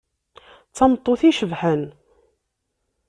D tameṭṭut icebḥen.